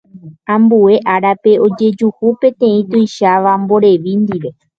Ambue árape ojejuhu peteĩ tuicháva mborevi ndive.